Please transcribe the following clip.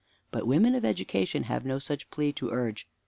But women of education have no such plea to urge.